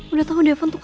udah tau devon tuh